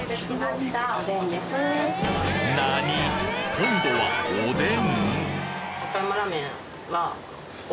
今度はおでん！？